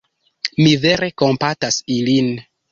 Mi vere kompatas ilin.